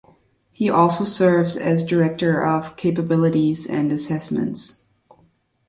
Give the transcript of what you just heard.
He also serves as Director of Capabilities and Assessments.